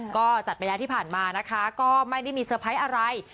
ก็จัดไปแล้วที่ผ่านมานะคะก็ไม่ได้มีเตอร์ไพรส์อะไร